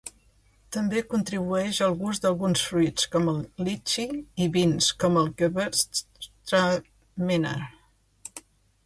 També contribueix al gust d'alguns fruits, com el litxi, i vins, com el Gewürztraminer.